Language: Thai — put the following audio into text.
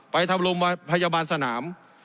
ไปทำโรงพยาบาลสนาม